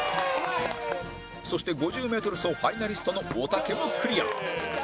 そして５０メートル走ファイナリストのおたけもクリア